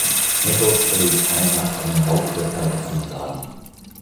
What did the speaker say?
Nichols erlebt einer Nacht einen Raubüberfall auf einen Laden.